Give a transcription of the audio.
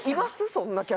そんな客。